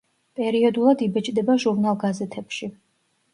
პერიოდულად იბეჭდება ჟურნალ-გაზეთებში.